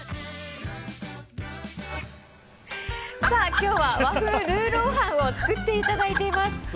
今日は和風ルーロー飯を作っていただいています。